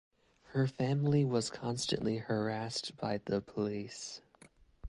Her family was constantly harassed by the police.